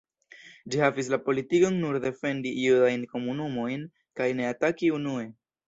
Ĝi havis la politikon nur defendi judajn komunumojn kaj ne ataki unue.